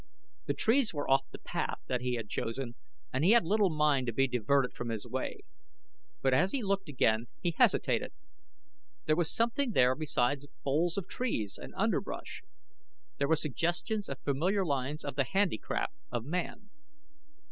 The trees were off the path that he had chosen and he had little mind to be diverted from his way; but as he looked again he hesitated. There was something there besides boles of trees, and underbrush. There were suggestions of familiar lines of the handicraft of man.